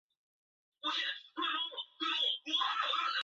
班洪事件中曾率岩帅武装支援班洪抗英。